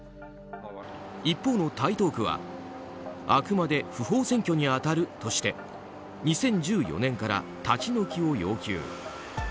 一方の台東区はあくまで不法占拠に当たるとして２０１４年から立ち退きを要求。